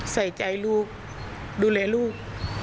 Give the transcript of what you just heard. ใส่ใจลูกดูแลลูก